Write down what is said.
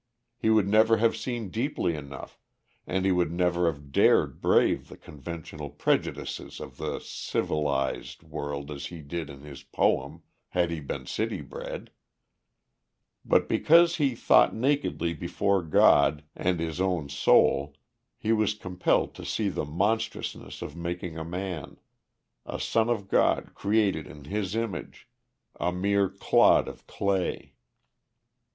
He would never have seen deeply enough, and he would never have dared brave the conventional prejudices of the civilized (?) world as he did in his poem, had he been city bred. But because he thought nakedly before God and his own soul he was compelled to see the monstrousness of making a man a son of God, created in His image a mere clod of clay.